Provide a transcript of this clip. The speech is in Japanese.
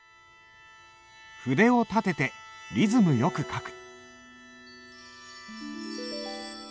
筆を立ててリズムよく書く。